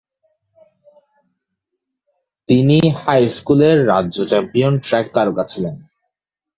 তিনি হাইস্কুলের রাজ্য champion track তারকা ছিলেন।